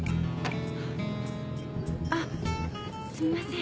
あっすみません